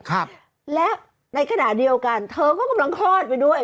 ครับแล้วในขณะเดียวกันเธอก็กำลังคลอดไปด้วย